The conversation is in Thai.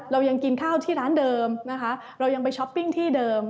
เรายังกินข้าวที่ร้านเดิมนะคะเรายังไปช้อปปิ้งที่เดิม